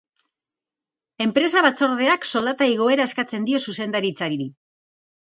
Enpresa batzordeak soldata igoera eskatzen dio zuzendaritzari.